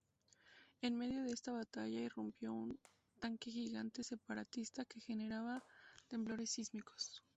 En medio de esta batalla irrumpió un tanque gigante separatista que generaba temblores sísmicos.